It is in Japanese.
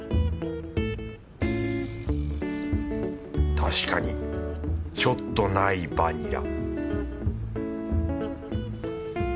確かにちょっとないバニラ